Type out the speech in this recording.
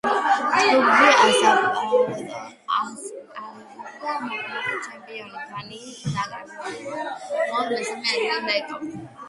ჯგუფში ასპარეზობდა მოქმედი ჩემპიონი, დანიის ნაკრები, რომელმაც მხოლოდ მესამე ადგილი დაიკავა.